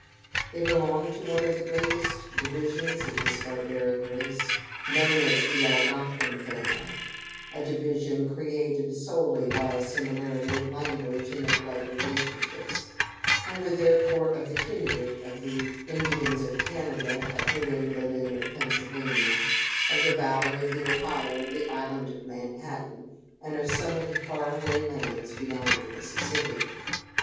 They belonged to one of the largest divisions of this barbaric race, known the Algonquin family a division created solely by a similarity of language and of blood relationships and were, therefore, of the kindred of the Indians of Canada, of New England, and of Pennsylvania, of the valley of the Ohio, the island of Manhattan, and of some of the far away lands beyond the Mississippi.